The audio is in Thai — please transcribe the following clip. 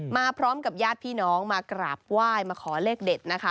มาพร้อมกับญาติพี่น้องมากราบไหว้มาขอเลขเด็ดนะคะ